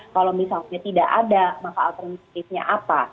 kalau misalnya tidak ada maka alternatifnya apa